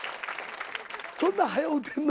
そんなはよ打てんの？